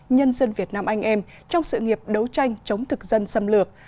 nhân dân việt nam anh em trong sự nghiệp đấu tranh chống thực dân xâm lược